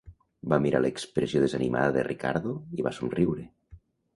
Va mirar l"expressió desanimada de Ricardo i va somriure.